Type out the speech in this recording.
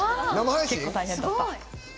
結構大変だった。